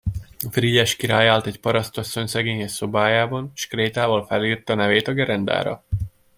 Frigyes király állt egy parasztasszony szegényes szobájában, s krétával felírta nevét a gerendára.